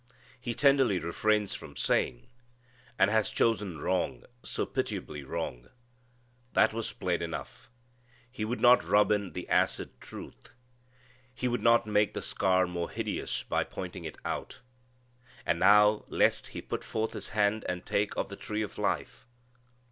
He tenderly refrains from saying, "and has chosen wrong! so pitiably wrong!" That was plain enough. He would not rub in the acid truth. He would not make the scar more hideous by pointing it out. "And now lest he put forth his hand and take of the tree of life."